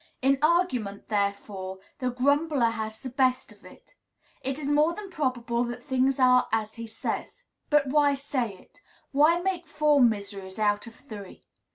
In argument, therefore, the grumbler has the best of it. It is more than probable that things are as he says. But why say it? Why make four miseries out of three?